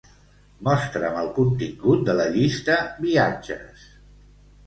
Mostra'm el contingut de la llista "viatges".